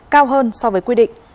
cao hơn so với quy định